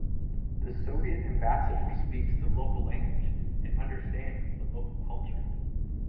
The Soviet ambassador speaks the local language and understands the local culture.